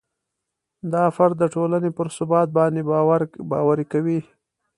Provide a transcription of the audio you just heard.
دا فرد د ټولنې پر ثبات باندې باوري کوي.